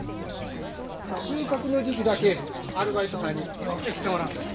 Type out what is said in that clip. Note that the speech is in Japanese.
収穫の時期だけアルバイトさんにようけ来てもらうんです。